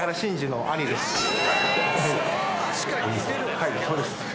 はいそうです。